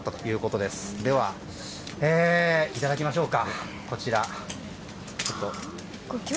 では、いただきましょうか。